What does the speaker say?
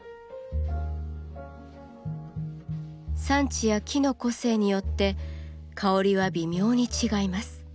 産地や木の個性によって香りは微妙に違います。